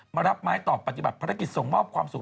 มารับไม้ตอบปฏิบัติภารกิจส่งมอบความสุข